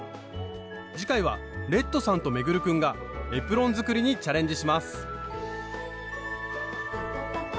次回はレッドさんと運君がエプロン作りにチャレンジします！